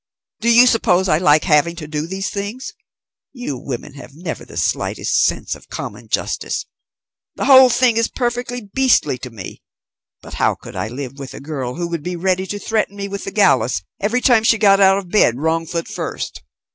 "Do you suppose I like having to do these things? You women have never the slightest sense of common justice. The whole thing is perfectly beastly to me. But how could I live with a girl who would be ready to threaten me with the gallows every time she got out of bed wrong foot first?